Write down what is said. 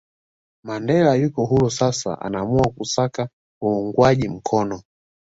Mandela yuko huru sasa anaamua kusaka uungwaji mkono